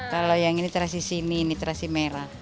kalau yang ini terasi sini ini terasi merah